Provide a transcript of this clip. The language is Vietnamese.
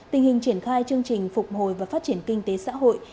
tình hình triển khai chương trình phục hồi và phát triển kinh tế xã hội